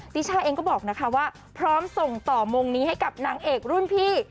ช่าเองก็บอกนะคะว่าพร้อมส่งต่อมงนี้ให้กับนางเอกรุ่นพี่